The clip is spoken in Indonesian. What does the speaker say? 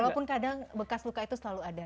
walaupun kadang bekas luka itu selalu ada